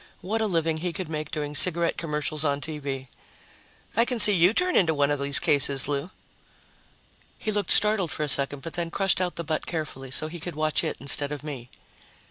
What a living he could make doing cigarette commercials on TV! "I can see you turn into one of these cases, Lou." He looked startled for a second, but then crushed out the butt carefully so he could watch it instead of me.